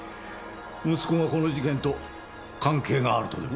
息子がこの事件と関係があるとでも？